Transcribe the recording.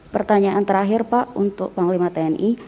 pertanyaan terakhir pak untuk panglima tni